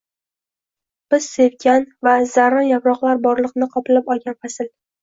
Biz sevgan va zarrin yaproqlar borliqni qoplab olgan fasl.